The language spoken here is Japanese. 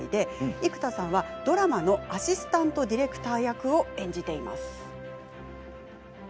生田さんは、ドラマのアシスタントディレクター役を演じています。